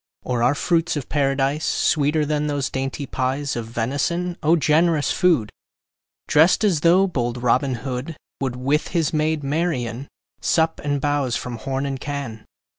Or are fruits of Paradise Sweeter than those dainty pies Of venison? O generous food! Drest as though bold Robin Hood 10 Would, with his maid Marian, Sup and bowse from horn and can.